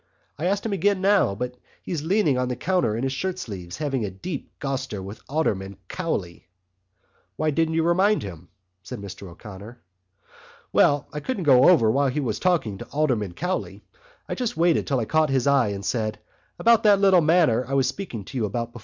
I asked him again now, but he was leaning on the counter in his shirt sleeves having a deep goster with Alderman Cowley." "Why didn't you remind him?" said Mr O'Connor. "Well, I couldn't go over while he was talking to Alderman Cowley. I just waited till I caught his eye, and said: 'About that little matter I was speaking to you about....